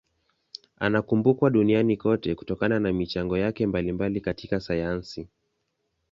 Anakumbukwa duniani kote kutokana na michango yake mbalimbali katika sayansi.